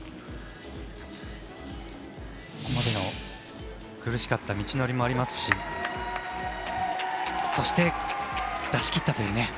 ここまでの苦しかった道のりもありますしそして、出しきったというね。